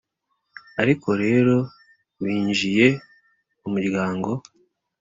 ariko rero, winjiye mu muryango,